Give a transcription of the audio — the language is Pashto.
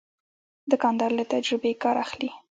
دوکاندار له تجربې کار اخلي.